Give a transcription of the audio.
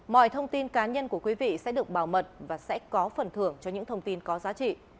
mọi thông tin cá nhân của quý vị sẽ được bảo mật và sẽ có phần thưởng cho những thông tin có giá trị